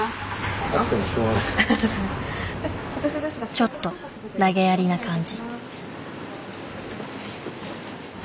ちょっとなげやりな感じ。